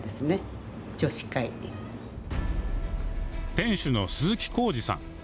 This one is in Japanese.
店主の鈴木光二さん。